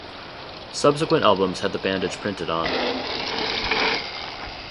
Subsequent albums had the bandage printed on.